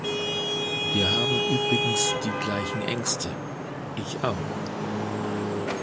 Wir haben übrigens die gleichen Ängste, ich auch.